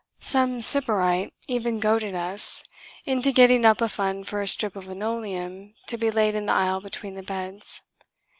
Some sybarite even goaded us into getting up a fund for a strip of linoleum to be laid in the aisle between the beds.